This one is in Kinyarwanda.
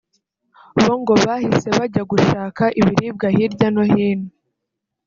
bo ngo bahise bajya gushaka ibiribwa hirya no hino